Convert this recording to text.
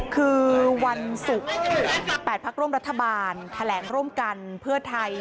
คือวันศุกร์๘พักร่วมรัฐบาลแถลงร่วมกันเพื่อไทย